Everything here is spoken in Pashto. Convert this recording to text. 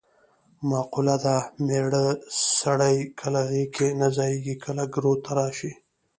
مقوله ده: مېړه سړی کله غېږ کې نه ځایېږې کله ګروت ته راشي.